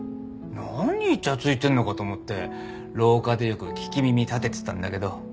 何いちゃついてんのかと思って廊下でよく聞き耳たててたんだけど。